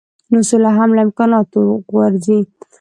نو سوله هم له امکاناتو غورځي.